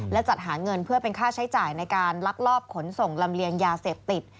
และจัดหาเงินเพื่อเป็นค่าใช้จ่ายในการลักลอบขนส่งลำเลียงยาเสพติด